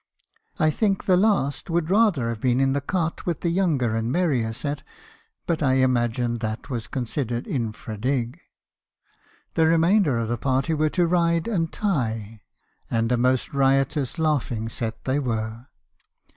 I think the last would rather have been in the cart with the younger and merrier set, but I imagine that was considered infra dig. The remainder of the party were to ride and tie ; and a most riotous laughing set they were.